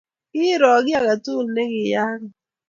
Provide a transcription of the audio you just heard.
kiiro kiy age tugul ne kiyaaka